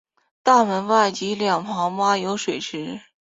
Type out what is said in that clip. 大门外及两旁挖有水池。